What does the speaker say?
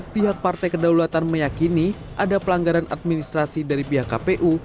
pihak partai kedaulatan meyakini ada pelanggaran administrasi dari pihak kpu